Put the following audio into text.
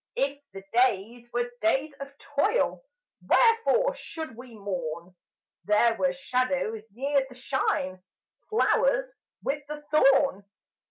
If the days were days of toil Wherefore should we mourn; There were shadows near the shine, Flowers with the thorn?